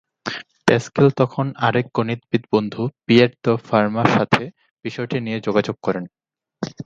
Pascal তখন তার আরেক গনিতবিদ বন্নধু পিয়ের দ্য ফার্মা সাথে বিষয়টি নিয়ে যোগাযোগ করেন।